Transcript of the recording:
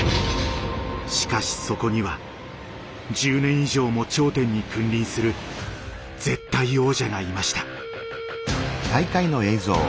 しかしそこには１０年以上も頂点に君臨する絶対王者がいました。